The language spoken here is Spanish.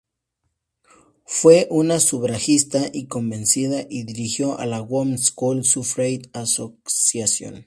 Fue una sufragista convencida y dirigió la Woman's School Suffrage Association.